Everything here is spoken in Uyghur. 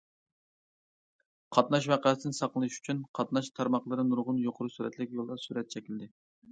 قاتناش ۋەقەسىدىن ساقلىنىش ئۈچۈن، قاتناش تارماقلىرى نۇرغۇن يۇقىرى سۈرئەتلىك يولدا سۈرئەت چەكلىدى.